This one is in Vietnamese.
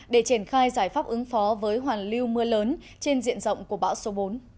để triển khai giải pháp ứng phó với hoàn lưu mưa lớn trên diện rộng của bão số bốn